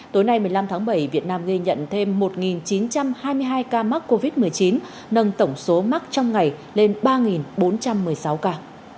tối nay một mươi năm tháng bảy việt nam ghi nhận thêm một chín trăm hai mươi hai ca mắc covid một mươi chín nâng tổng số mắc trong ngày lên ba bốn trăm một mươi sáu ca